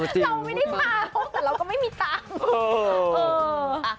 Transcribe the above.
เราไม่ได้เมาแต่เราก็ไม่มีตังค์